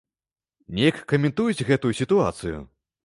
Неяк каментуюць гэтую сітуацыю?